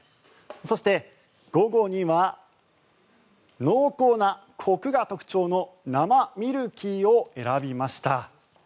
そして、午後には濃厚なコクが特徴の生ミルキーを選びました。